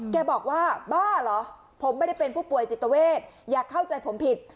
แกบอกว่าบ้าเหรอผมไม่ได้เป็นผู้ป่วยจิตเวทอย่าเข้าใจผมผิด